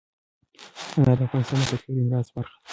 انار د افغانستان د کلتوري میراث برخه ده.